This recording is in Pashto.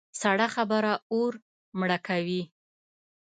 سړه خبره اور مړه کوي.